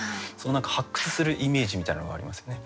発掘するイメージみたいなのがありますよね。